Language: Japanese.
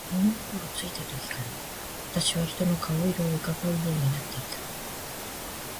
物心ついた時から、私は人の顔色を窺うようになっていた。